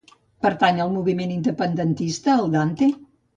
Pertany al moviment independentista el Dante?